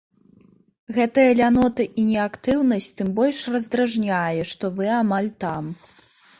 Гэтая лянота і неактыўнасць тым больш раздражняе, што вы амаль там.